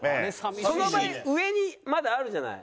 その場合上にまだあるじゃない。